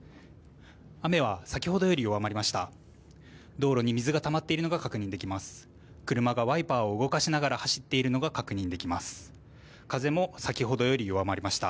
雨は先ほどより弱まりました。